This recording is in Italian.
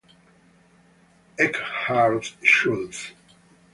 Eckhardt Schultz